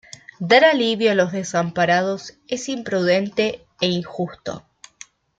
Dar alivio a los desamparados es imprudente e injusto.